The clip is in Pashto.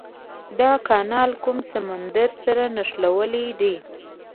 دا کانال کوم سمندرونه سره نښلولي دي؟